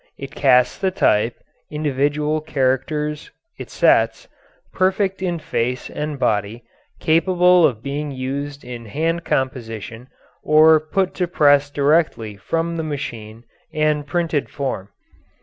It casts the type (individual characters) it sets, perfect in face and body, capable of being used in hand composition or put to press directly from the machine and printed from.